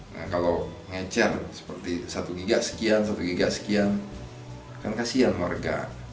nah kalau nge charge seperti satu giga sekian satu giga sekian kan kasian warga